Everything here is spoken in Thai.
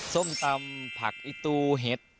ส้มตำผักอีตูเห็ด